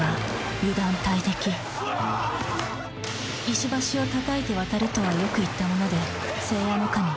［石橋をたたいて渡るとはよく言ったものでせいやのかみ